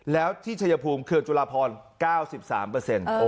แล้วที่ชัยภูมิเขื่อนจุลาพร๙๓เปอร์เซ็นต์